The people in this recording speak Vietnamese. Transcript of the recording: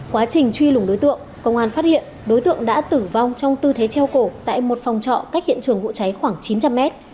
quá trình truy lùng đối tượng công an phát hiện đối tượng đã tử vong trong tư thế treo cổ tại một phòng trọ cách hiện trường vụ cháy khoảng chín trăm linh mét